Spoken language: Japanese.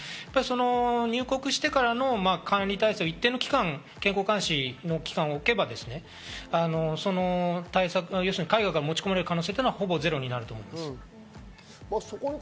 入国してからの管理体制、一定の期間、健康監視の期間を置けば、海外から持ち込まれる可能性はほぼゼロになると思います。